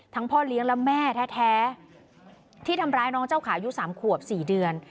พ่อเลี้ยงและแม่แท้ที่ทำร้ายน้องเจ้าขาวุ๓ขวบ๔เดือน